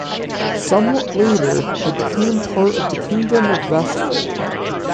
Somewhat later, it became part of the kingdom of Vestfold.